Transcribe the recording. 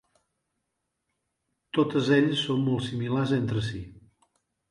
Totes elles són molt similars entre si.